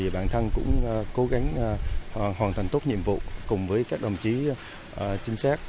bạn thăng cũng cố gắng hoàn thành tốt nhiệm vụ cùng với các đồng chí chính xác